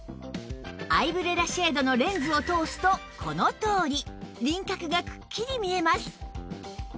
アイブレラシェードのレンズを通すとこのとおり輪郭がくっきり見えます